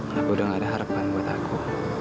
aku udah gak ada harapan buat aku